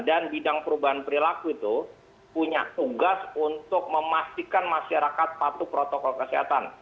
dan bidang perubahan perilaku itu punya tugas untuk memastikan masyarakat patuh protokol kesehatan